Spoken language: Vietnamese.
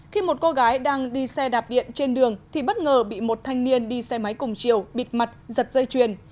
khi một cô gái đang đi xe đạp điện trên đường thì bất ngờ bị một thanh niên đi xe máy cùng chiều bịt mặt giật dây chuyền